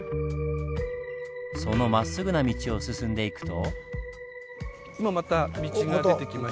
そのまっすぐな道を進んでいくと。